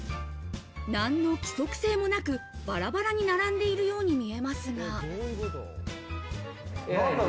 何の規則性もなく、バラバラに並んでいるように見えますが。